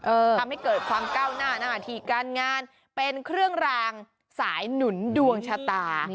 ทำให้เกิดความก้าวหน้าหน้าที่การงานเป็นเครื่องรางสายหนุนดวงชะตา